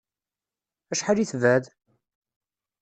Acḥal i tebɛed?